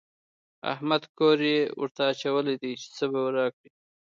احمد کوری ورته اچولی دی چې څه به راکړي.